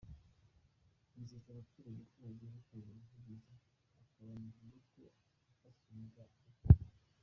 Yizeza abaturage ko bagiye kubakorera ubuvugizi bakabonerwa imbuto basubiza mu butaka.